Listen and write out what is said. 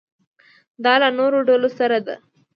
دا له نورو ډلو سره ده.